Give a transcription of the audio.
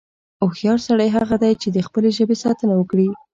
هوښیار سړی هغه دی، چې د خپلې ژبې ساتنه وکړي.